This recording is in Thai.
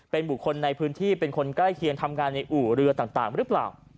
เป็นบุคคลในพื้นที่เป็นคนใกล้เคียงทำงานในอู่เรือต่างหรือเปล่า